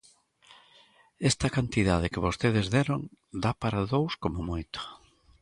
Esta cantidade que vostedes deron dá para dous como moito.